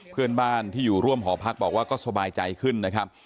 เพื่อนบ้านที่อยู่ร่วมหอพักบอกว่าก็สบายใจขึ้นนะครับ